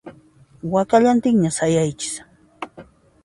Wakallantinña pasaychis